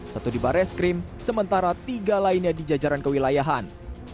satu di barreskrim sementara tiga lainnya di jajaran kewilayahan